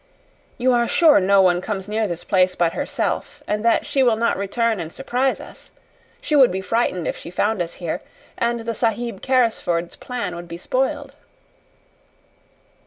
"You are sure no one comes near this place but herself, and that she will not return and surprise us. She would be frightened if she found us here, and the Sahib Carrisford's plan would be spoiled."